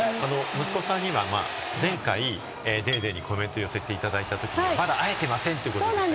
息子さんには前回『ＤａｙＤａｙ．』にコメントを寄せていただいたときに、まだ会えてませんとおっしゃっていました。